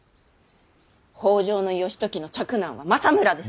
北条義時の嫡男は政村です。